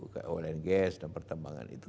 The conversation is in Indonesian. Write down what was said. keawalan gas dan pertambangan itu